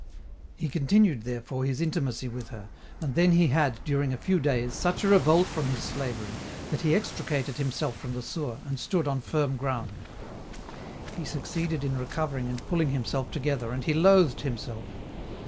He continued therefore his intimacy with her, and then he had, during a few days, such a revolt from his slavery, that he extricated himself from the sewer, and stood on firm ground. He succeeded in recovering and pulling himself to gether, and he loathed himself.